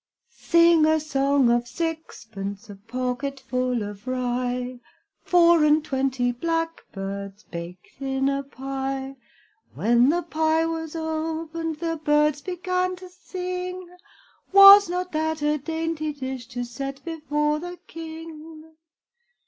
Sing a song of sixpence, A pocket full of rye; Four and twenty blackbirds Baked in a pie; When the pie was opened The birds began to sing; Was not that a dainty dish To set before the King?